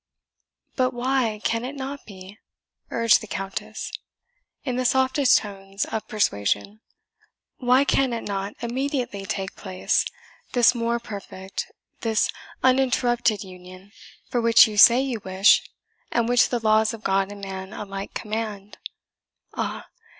"But WHY can it not be?" urged the Countess, in the softest tones of persuasion "why can it not immediately take place this more perfect, this uninterrupted union, for which you say you wish, and which the laws of God and man alike command? Ah!